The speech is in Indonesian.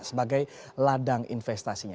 sebagai ladang investasinya